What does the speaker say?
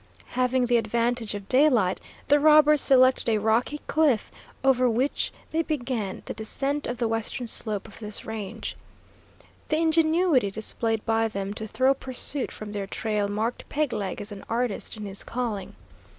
Having the advantage of daylight, the robbers selected a rocky cliff, over which they began the descent of the western slope of this range. The ingenuity displayed by them to throw pursuit from their trail marked Peg Leg as an artist in his calling.